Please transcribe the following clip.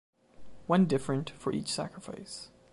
One different for each sacrifice.